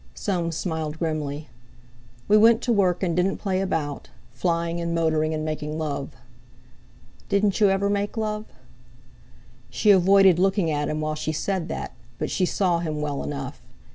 Soames smiled grimly. "We went to work, and didn't play about—flying and motoring, and making love." "Didn't you ever make love?" She avoided looking at him while she said that, but she saw him well enough.